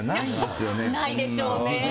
ないでしょうね。